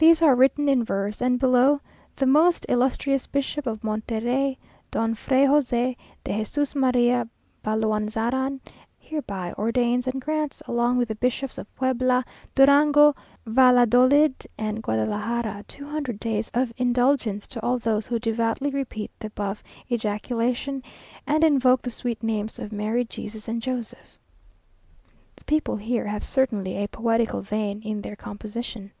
These are written in verse, and below: "The most illustrious Bishop of Monte Rey, Don Fray José de Jesús María Balaunzaran, hereby ordains and grants, along with the Bishops of Puebla, Durango, Valladolid and Guadalajara, two hundred days of indulgence to all those who devoutly repeat the above ejaculation, and invoke the sweet names of Mary, Jesús, and Joséph."... The people here have certainly a poetical vein in their composition.